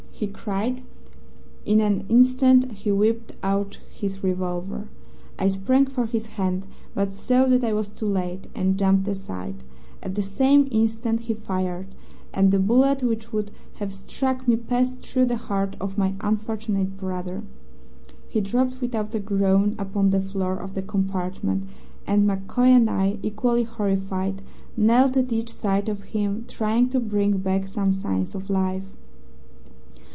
he cried, and in an instant he whipped out his revolver. I sprang for his hand, but saw that I was too late, and jumped aside. At the same instant he fired, and the bullet which would have struck me passed through the heart of my unfortunate brother. "He dropped without a groan upon the floor of the compartment, and MacCoy and I, equally horrified, knelt at each side of him, trying to bring back some signs of life.